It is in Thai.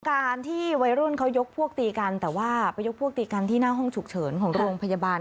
การที่วัยรุ่นเขายกพวกตีกันแต่ว่าไปยกพวกตีกันที่หน้าห้องฉุกเฉินของโรงพยาบาล